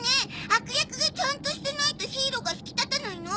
悪役がちゃんとしてないとヒーローが引き立たないの！